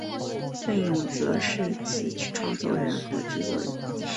振永则是词曲创作人和制作人。